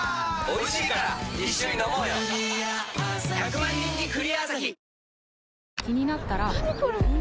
１００万人に「クリアアサヒ」